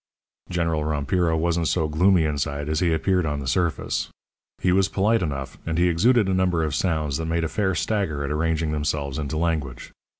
"General Rompiro wasn't so gloomy inside as he appeared on the surface. He was polite enough; and he exuded a number of sounds that made a fair stagger at arranging themselves into language.